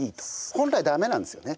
本来駄目なんですよね。